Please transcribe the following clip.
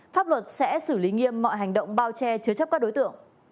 pháp luật sẽ xử lý nghiêm mọi hành động bao che chứa chấp các đối tượng